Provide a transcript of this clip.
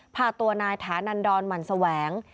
พาตัวนายฐานันดรหมั่นแสวง